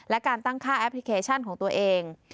และการตั้งค่าแอปพลิเคชันของตัวเอง